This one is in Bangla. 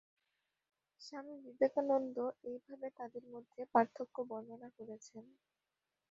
স্বামী বিবেকানন্দ এইভাবে তাদের মধ্যে পার্থক্য বর্ণনা করেছেন।